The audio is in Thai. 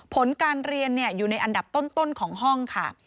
ผลการเรียนอยู่ในอันดับต้นของห้องค่ะ